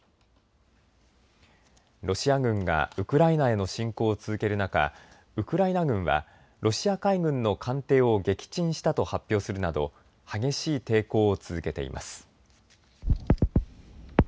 ロシア軍がウクライナへの侵攻を続ける中、ウクライナ軍はロシア海軍の艦艇を撃沈したと発表するなど激しい抵抗を続けています。